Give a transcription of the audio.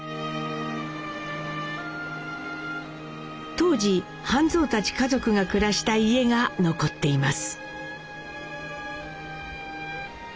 当時畔三たち家族が暮らした家が残っています。